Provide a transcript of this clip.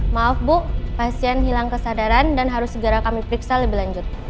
maaf bu pasien hilang kesadaran dan harus segera kami periksa lebih lanjut